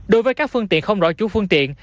đối với các phương tiện không rõ chú phương tiện